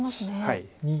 はい。